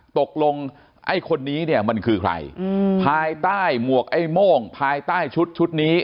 ตกลงไอ้คนนี้เนี่ยมันคือใครภายใต้หมวกไอ้โม่งภายใต้ชุดชุดนี้